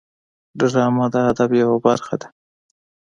ډرامه د ادب یوه برخه ده